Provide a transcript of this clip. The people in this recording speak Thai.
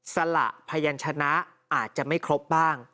สละพยันชนะอาจจะไม่ครบบ้าง